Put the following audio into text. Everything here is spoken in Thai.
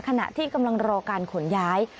ขณะที่กำลังรอการขนย้าย